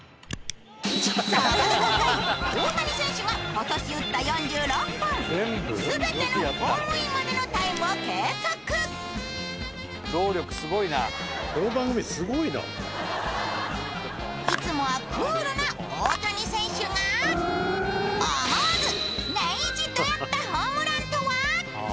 そこで今回大谷選手が今年打った４６本すべてのホームインまでのタイムを計測いつもはクールな大谷選手が思わずネンイチ！ドヤったホームランとは？